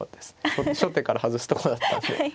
初手から外すとこだったんで。